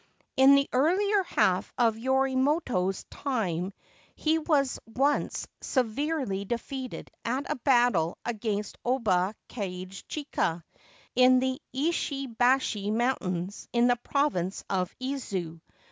In the earlier half of Yoritomo's time he was once severely defeated at a battle against Oba Kage chika in the Ishibashi mountains, in the province of Izu.